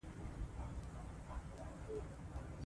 ایا بدن بوی تل د عطر پرځای کنټرول کېدی شي؟